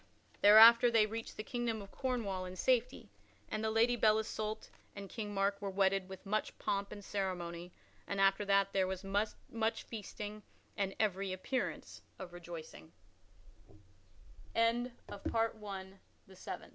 Thereafter they reached the kingdom of Cornwall in safety, and the Lady Belle Isoult and King Mark were wedded with much pomp and ceremony and after that there was much feasting and every appearance of